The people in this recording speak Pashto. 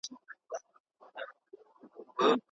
ولي باید د لور سره د ستونزي په اړه سالم بحث وکړو؟